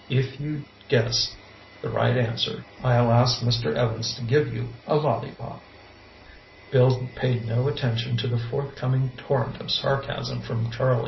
If you guess the right answer I'll ask Mr. Evans to give you a lollipop." Bill paid no attention to the forth coming torrent of sarcasm from Charlie.